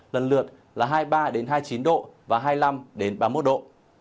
lần lượt là hai mươi ba hai mươi chín độ và hai mươi năm ba mươi một độ